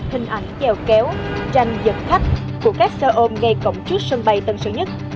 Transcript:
hình ảnh kéo kéo tranh giật khách của các xe ôm ngay cổng trước sân bay tân sân nhất